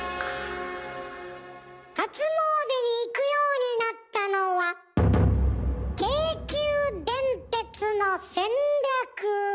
初詣に行くようになったのは京急電鉄の戦略。